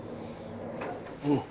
おう。